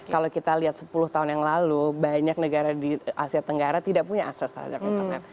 kalau kita lihat sepuluh tahun yang lalu banyak negara di asia tenggara tidak punya akses terhadap internet